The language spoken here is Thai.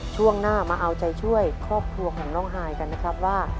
ช่วงหน้ามาเอาใจช่วยครอบครัวของน้องฮายกันนะครับว่า